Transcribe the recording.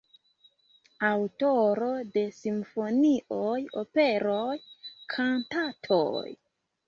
Aŭtoro de simfonioj, operoj, kantatoj.